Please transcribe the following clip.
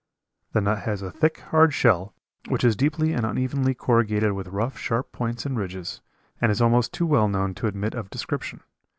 The nut has a thick, hard shell, which is deeply and unevenly corrugated with rough, sharp points and ridges, and is almost too well known to admit of description.